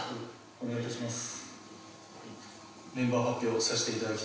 お願いいたします